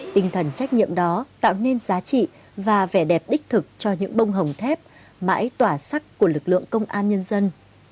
tinh thần trách nhiệm đó tạo nên giá trị và vẻ đẹp đích thực cho những bông hồng thép mãi tỏa sắc của lực lượng công an nhân dân